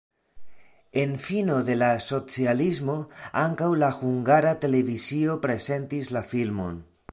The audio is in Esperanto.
En fino de la socialismo ankaŭ la Hungara Televizio prezentis la filmon.